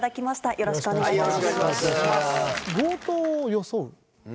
よろしくお願いします。